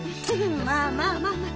まあまあまあまあ